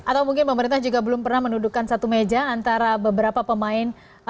atau mungkin pemerintah juga belum pernah mendudukan satu meja antara beberapa pemain